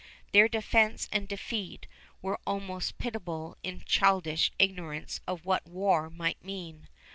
Their defense and defeat were almost pitiable in childish ignorance of what war might mean.